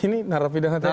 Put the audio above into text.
jadi narapidana teroris